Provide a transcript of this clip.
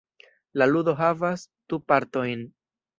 La ludo havas du partojn.